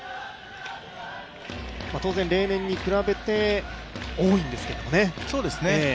当然、例年に比べて多いんですけどもね。